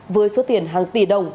với số tiền hàng tỷ đồng